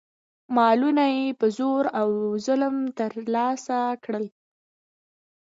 مالونه یې په زور او ظلم ترلاسه کړل.